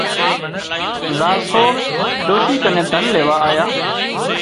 زار سور ڏوشي ڪنين ڌن ليوا آيا